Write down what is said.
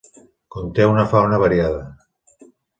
Conté una fauna variada.